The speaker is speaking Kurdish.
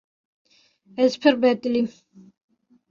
Ez pir betilîm.